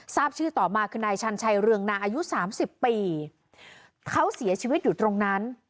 ทราบชื่อต่อมาคือนายชันชัยเรืองนาอายุสามสิบปีเขาเสียชีวิตอยู่ตรงนั้น